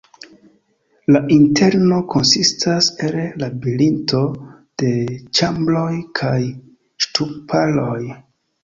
La interno konsistas el labirinto de ĉambroj kaj ŝtuparoj.